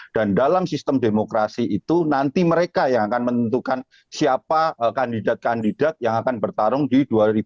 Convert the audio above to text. dan dalam sistem demokrasi itu nanti mereka yang akan menentukan siapa kandidat kandidat yang akan bertarung di dua ribu dua puluh empat